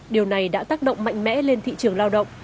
điều này đã tác động mạnh mẽ lên thị trường lao động